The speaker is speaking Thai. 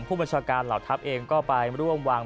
ผู้บัญชาการเหล่าทัพเองก็ไปร่วมวาง